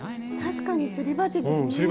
確かにすり鉢ですね。